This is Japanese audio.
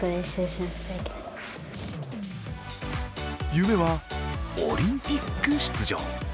夢はオリンピック出場。